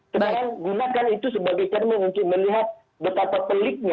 kemudian gunakan itu sebagai termen untuk melihat betapa peliknya